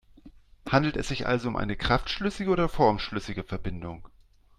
Handelt es sich also um eine kraftschlüssige oder formschlüssige Verbindung?